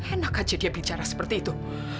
enak aja dia bicara seperti itu